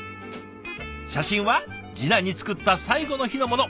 写真は次男に作った最後の日のもの。